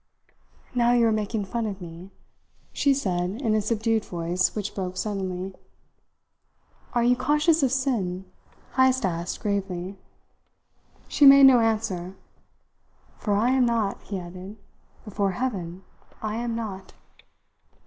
"Now you are making fun of me," she said in a subdued voice which broke suddenly. "Are you conscious of sin?" Heyst asked gravely. She made no answer. "For I am not," he added; "before Heaven, I am not!"